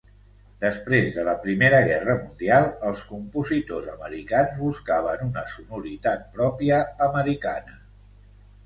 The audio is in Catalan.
Després de la Primera Guerra Mundial els compositors americans buscaven una sonoritat pròpia americana.